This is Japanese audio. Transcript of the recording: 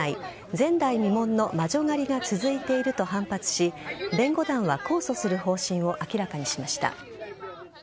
前代未聞の魔女狩りが続いていると反発し弁護団は控訴する方針を明らかにしました。